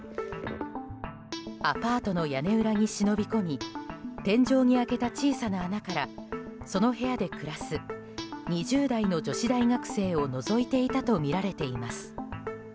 アパートの屋根裏に忍び込み天井に開けた小さな穴からその部屋で暮らす２０代の女子大学生をのぞいていたとみられています。